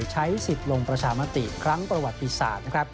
ใช้สิทธิ์ลงประชามติครั้งประวัติศาสตร์